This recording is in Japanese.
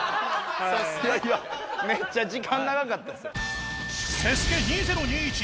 めっちゃ時間長かったっすよ。